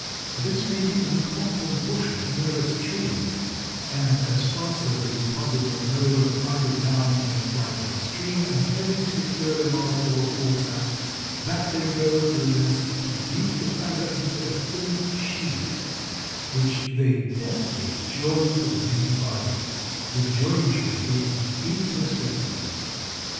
This may be in a clump of bushes near a stream, and as fast as they deposit their load of fiber down they fly to the stream, and having secured a mouthful of water back they go to the nest to beat the fiber into a thin sheet, which they deftly join to the main body, the jointure being imperceptible.